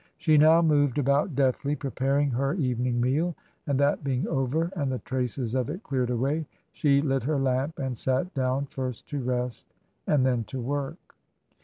She now moved about deftly, preparing her evening meal. And that being over and the traces of it cleared away, she lit her lamp and sat down, first to rest and then to work.